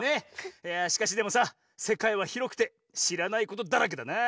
いやしかしでもさせかいはひろくてしらないことだらけだなあ。